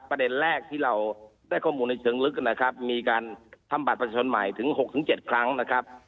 ประเด็นแรกที่เราได้ข้อมูลในเชิงลึกนะครับมีการทำบัตรประชาชนใหม่ถึง๖๗ครั้งนะครับ